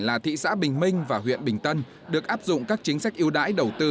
là thị xã bình minh và huyện bình tân được áp dụng các chính sách yêu đáy đầu tư